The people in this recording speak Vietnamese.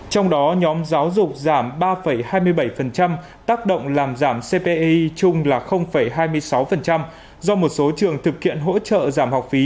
trong đó nhóm giáo dục giảm ba hai mươi bảy tác động làm giảm cpi chung là hai mươi sáu do một số trường thực hiện hỗ trợ giảm học phí